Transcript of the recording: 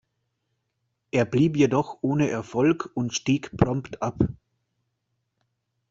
Er blieb jedoch ohne Erfolg und stieg prompt ab.